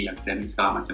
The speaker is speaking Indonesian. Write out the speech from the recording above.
yang sedang segala macam